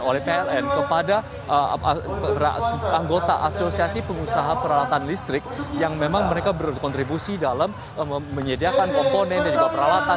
oleh pln kepada anggota asosiasi pengusaha peralatan listrik yang memang mereka berkontribusi dalam menyediakan komponen dan juga peralatan